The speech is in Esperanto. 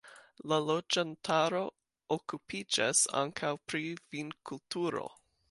La loĝantaro okupiĝas ankaŭ pri vinkulturo.